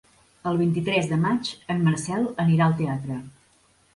El vint-i-tres de maig en Marcel anirà al teatre.